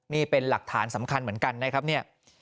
นี่เป็นหลักฐานสำคัญเหมือนกันนะครับเนี่ย